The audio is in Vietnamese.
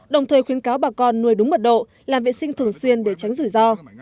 đồng thời khuyến cáo bà con nuôi đúng mật độ làm vệ sinh thường xuyên để tránh rủi ro